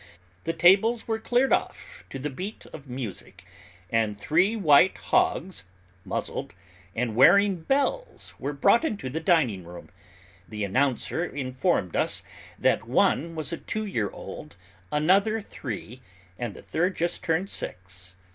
The tables were cleared off to the beat of music, and three white hogs, muzzled, and wearing bells, were brought into the dining room. The announcer informed us that one was a two year old, another three, and the third just turned six.